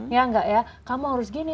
ya enggak ya kamu harus gini